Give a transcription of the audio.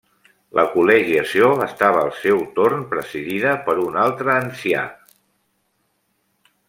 La col·legiació estava al seu torn presidida per un altre ancià.